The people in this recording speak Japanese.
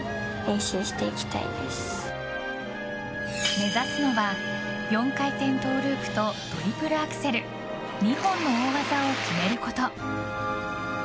目指すのは４回転トゥループとトリプルアクセル２本の大技を決めること。